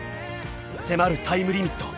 ［迫るタイムリミット］